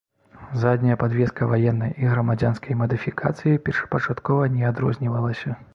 Задняя падвеска ваеннай і грамадзянскай мадыфікацый першапачаткова не адрознівалася.